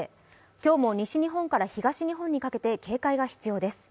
今日も西日本から東日本にかけて警戒が必要です。